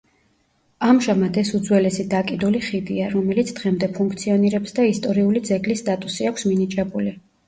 ამჟამად ეს უძველესი დაკიდული ხიდია, რომელიც დღემდე ფუნქციონირებს და ისტორიული ძეგლის სტატუსი აქვს მინიჭებული.